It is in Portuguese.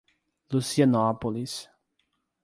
Lucianópolis